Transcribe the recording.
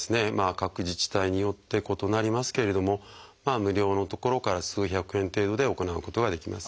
各自治体によって異なりますけれども無料のところから数百円程度で行うことができます。